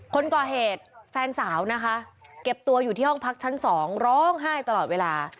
คนก่อเหตุแฟนสาวนะคะเก็บตัวอยู่ที่ห้องพักชั้น๒ร้องไห้ตลอดเวลา